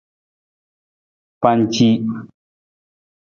Panci.